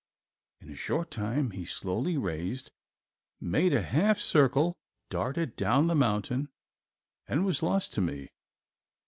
In a short time he slowly raised, made a half circle, darted down the mountain, and was lost to me.